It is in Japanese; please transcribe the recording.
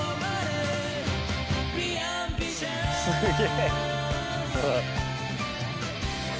すげえ！